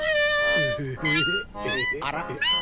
あら？